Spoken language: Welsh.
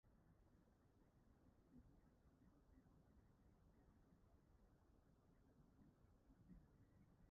dau o blant yn marchogaeth ceffylau mewn lleoliad gwledig tra'n chwarae lacrós